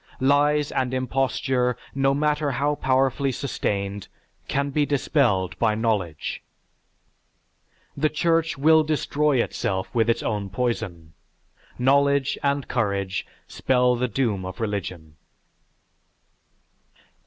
Lies and imposture, no matter how powerfully sustained, can be dispelled by knowledge. The Church will destroy itself with its own poison. Knowledge and courage spell the doom of religion.